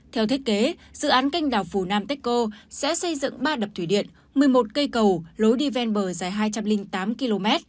theo thiết kế dự án kênh đảo phunanteco sẽ xây dựng ba đập thủy điện một mươi một cây cầu lối đi ven bờ dài hai trăm linh tám km